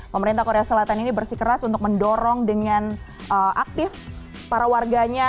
pemerintah korea selatan ini bersikeras untuk mendorong dengan aktif para warganya